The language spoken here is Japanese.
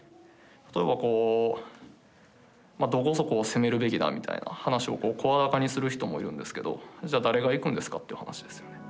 例えばこうどこそこを攻めるべきだみたいな話を声高にする人もいるんですけど「じゃあ誰が行くんですか」という話ですよね。